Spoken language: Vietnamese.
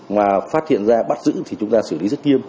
mà phát hiện ra bắt giữ thì chúng ta xử lý rất nghiêm